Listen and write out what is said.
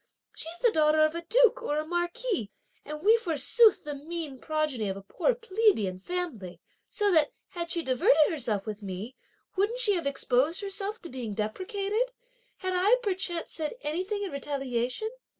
She's the daughter of a duke or a marquis, and we forsooth the mean progeny of a poor plebeian family; so that, had she diverted herself with me, wouldn't she have exposed herself to being depreciated, had I, perchance, said anything in retaliation?